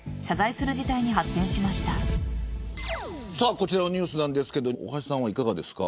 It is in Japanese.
こちらのニュースなんですけど大橋さんはいかがですか。